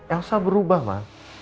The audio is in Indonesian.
elsa berubah mak